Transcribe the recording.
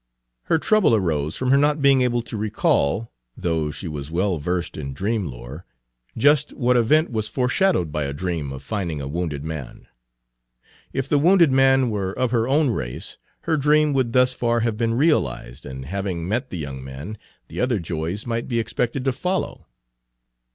Her trouble arose from her not being able to recall, though she was well versed in dream lore, just what event was foreshadowed by a dream of finding a Page 140 wounded man. If the wounded man were of her own race, her dream would thus far have been realized, and having met the young man, the other joys might be expected to follow.